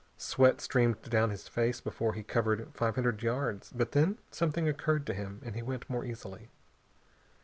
Sweat streamed down his face before he had covered five hundred yards, but then something occurred to him and he went more easily.